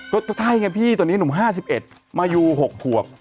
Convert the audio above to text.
ก็ใช่ไงพี่ตอนนี้หนุ่ม๕๑มายู๖ขวบ